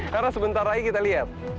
karena sebentar lagi kita lihat